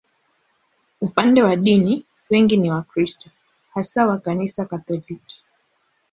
Upande wa dini, wengi ni Wakristo, hasa wa Kanisa Katoliki.